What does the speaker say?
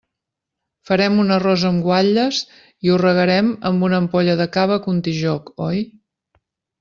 Farem un arròs amb guatlles i ho regarem amb una ampolla de cava Contijoch, oi?